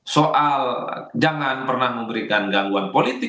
soal jangan pernah memberikan gangguan politik